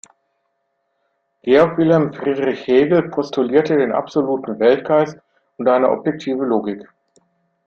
Georg Wilhelm Friedrich Hegel postulierte den absoluten Weltgeist und eine objektive Logik.